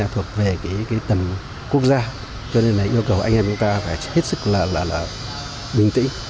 thuộc về tầm quốc gia cho nên yêu cầu anh em chúng ta phải hết sức là bình tĩnh